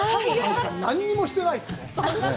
何にもしてないですね。